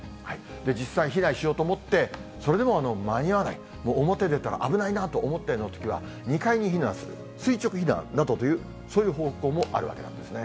実際、避難しようと思って、それでも間に合わない、表出たら危ないなと思ったようなときは、２階に避難する、垂直避難などというそういう方法もあるわけなんですね。